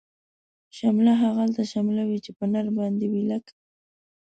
شمله هغلته شمله وی، چی په نر باندی وی لکه